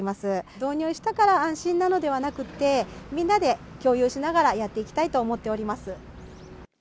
導入したから安心なのではなくって、みんなで共有しながらやっていきたいと思っております。